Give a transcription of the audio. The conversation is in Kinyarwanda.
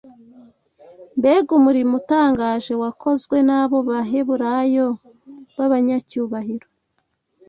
Mbega umurimo utangaje wakozwe n’abo Baheburayo b’abanyacyubahiro!